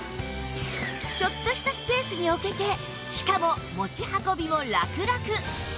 ちょっとしたスペースに置けてしかも持ち運びもラクラク